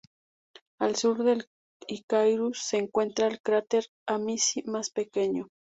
Al sur de Icarus se encuentra el cráter Amici, más pequeño.